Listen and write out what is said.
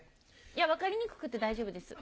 分かりにくくて大丈夫です。